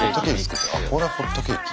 あこれはホットケーキ。